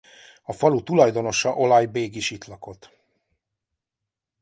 A falu tulajdonosa Olaj bég is itt lakott.